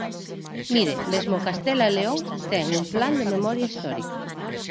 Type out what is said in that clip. Mire, mesmo Castela e León ten un plan de memoria histórica.